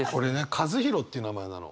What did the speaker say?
一敬っていう名前なの。